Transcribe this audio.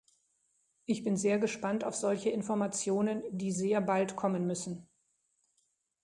Ich bin sehr gespannt auf solche Informationen, die sehr bald kommen müssen.